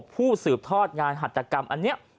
ผู้สืบทอดงานหัตกรรมอันนี้